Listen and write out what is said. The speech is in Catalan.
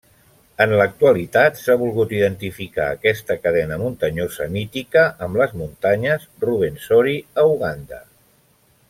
En l'actualitat s'ha volgut identificar aquesta cadena muntanyosa mítica amb les muntanyes Ruwenzori, a Uganda.